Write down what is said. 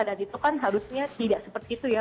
dan itu kan harusnya tidak seperti itu ya